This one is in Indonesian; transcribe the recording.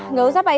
nggak usah pak